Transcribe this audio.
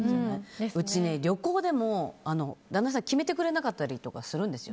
うちね、旅行でも旦那さん決めてくれなかったりするんです。